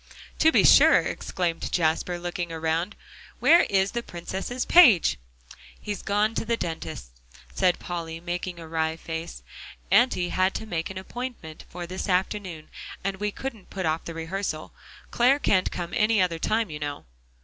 "To be sure," exclaimed Jasper, looking around, "where is the Princess's page?" "He's gone to the dentist's," said Polly, making a wry face. "Auntie had to make the appointment for this afternoon, and we couldn't put off the rehearsal; Clare can't come any other time, you know."